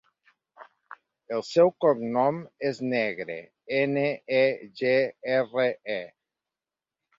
El seu cognom és Negre: ena, e, ge, erra, e.